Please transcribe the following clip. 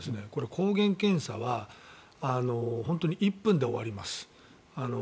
抗原検査は本当に１分で終わります。